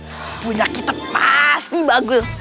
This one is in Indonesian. ya punya kita pasti bagus